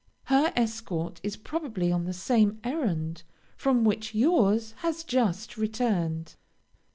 Her escort is probably on the same errand from which yours has just returned.